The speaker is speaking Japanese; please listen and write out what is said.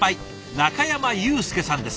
中山裕介さんです。